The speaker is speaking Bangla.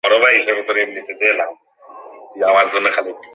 সেই কেজি ওয়ান থেকে থ্রি একসঙ্গে পড়ার সময় তোমার সঙ্গে পরিচয়।